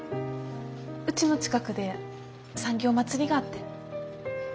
うちの近くで産業まつりがあって。